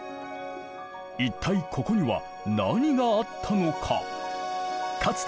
一体ここには何があったのか？